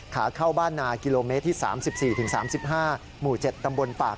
ขาเข้าบ้านนากิโลเมตรที่๓๔๓๕หมู่๗ตำบลปาก